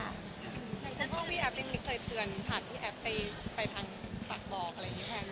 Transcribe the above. ในโทมัสคลีแอปนี้มีเคยเตือนผ่านที่แอปไปทางฝากบอกอะไรอย่างนี้แทบไหม